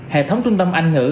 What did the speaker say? hệ thống trung tâm anh ngữ